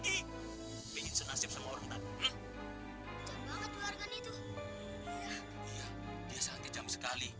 dia perlu istirahat